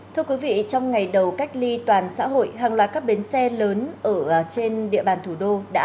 thưa quý vị trong ngày đầu cách ly toàn xã hội hàng loạt các bến xe lớn ở trên địa bàn thủ đô đã